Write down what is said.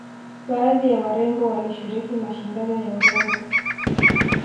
baadhi ya warembo walishiriki mashindano ya urembo